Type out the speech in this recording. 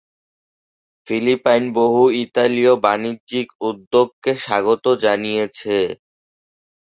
Philippine বহু ইতালিয় বাণিজ্যিক উদ্যোগকে স্বাগত জানিয়েছে।